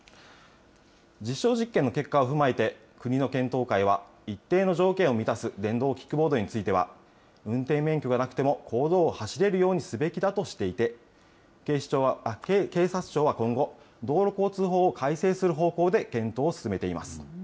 実証実験の結果を踏まえて、国の検討会は、一定の条件を満たす電動キックボードについては、運転免許がなくても公道を走れるようにすべきだとしていて、警察庁は今後、道路交通法を改正する方向で検討を進めています。